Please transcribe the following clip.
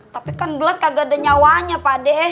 tapi kan belas kagak ada nyawanya pak ade